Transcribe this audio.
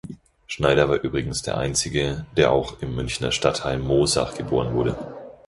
Schneider war übrigens der Einzige, der auch im Münchner Stadtteil Moosach geboren wurde.